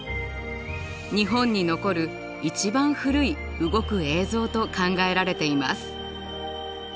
日本に残る一番古い「動く映像」と考えられています。